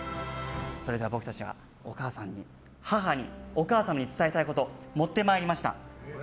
それでは僕たちが、お母さんに母に、お母様に伝えたいこと持ってまいりました。